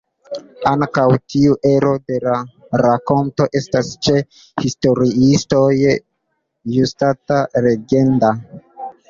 Ankaŭ tiu ero de la rakonto estas ĉe historiistoj juĝata legenda.